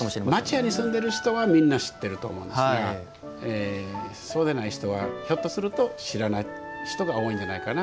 町家に住んでる人はみんな知っていると思うんですがそうでない人はひょっとすると知らない人が多いんじゃないかなって。